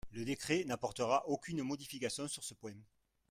Le décret n’apportera aucune modification sur ce point.